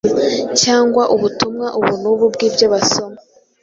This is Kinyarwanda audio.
cyangwa ubutumwa ubu n‟ubu bw‟ibyo basoma.